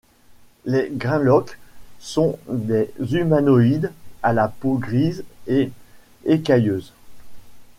Les grimlocks sont des humanoïdes à la peau grise et écailleuse.